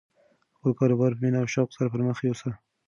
خپل کاروبار په مینه او شوق سره پرمخ یوسه.